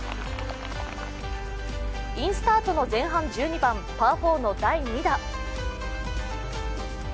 インスタートの前半１２番パー４の第２打。